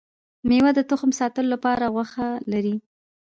ميوه د تخم ساتلو لپاره غوښه لري